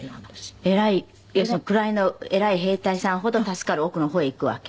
偉い要するに位の偉い兵隊さんほど助かる奥の方へ行くわけ？